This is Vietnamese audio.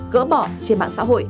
gỡ bỏ trên mạng